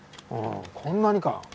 こんなにか。